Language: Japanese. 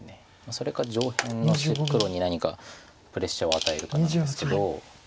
それか上辺の黒に何かプレッシャーを与えるかなんですけど。